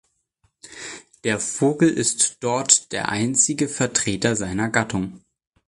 Der Vogel ist dort der einzige Vertreter seiner Gattung.